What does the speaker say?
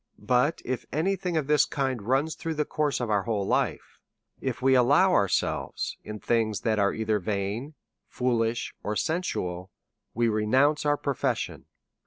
But if any thing of this kind runs through the course of our whole life, if we give ourselves to things that are either vain, foolish, or sensual, we re nounce our profession.